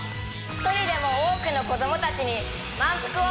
１人でも多くの子どもたちに満腹を。